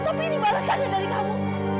tapi ini balasannya dari kamu